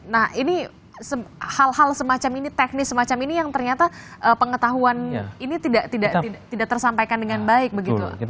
nah ini hal hal semacam ini teknis semacam ini yang ternyata pengetahuan ini tidak tersampaikan dengan baik begitu